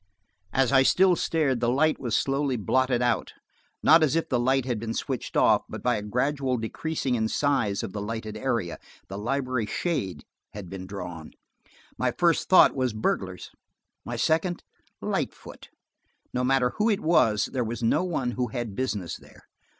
As I still stared, the light was slowly blotted out–not as if the light had been switched off, but by a gradual decreasing in size of the lighted area. The library shade had been drawn. My first thought was burglars: my second–Lightfoot. No matter who it was, there was no one who had business there.